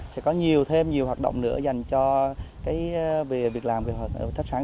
sẽ có nhiều thêm nhiều hoạt động nữa dành cho việc làm việc thấp sáng